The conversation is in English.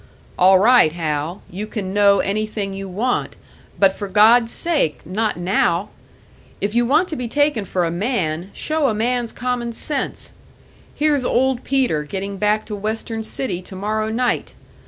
"All right, Hal you can know anything you want; but for God's sake, not now! If you want to be taken for a man, show a man's common sense! Here's Old Peter getting back to Western City to morrow night!